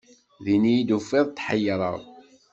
Din iyi-d tufiḍ tḥeyṛeɣ.